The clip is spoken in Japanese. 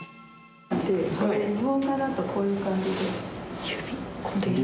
日本画だとこういう感じで。